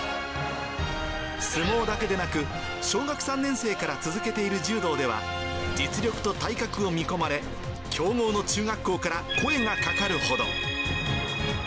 相撲だけでなく、小学３年生から続けている柔道では、実力と体格を見込まれ、強豪の中学校から声がかかるほど。